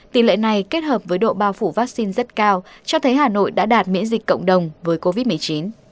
tỷ lệ này kết hợp với độ bao phủ vaccine rất cao cho thấy hà nội đã đạt miễn dịch cộng đồng với covid một mươi chín